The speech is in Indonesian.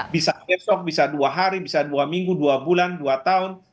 bisa besok bisa dua hari bisa dua minggu dua bulan dua tahun